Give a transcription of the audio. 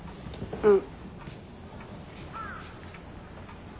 うん。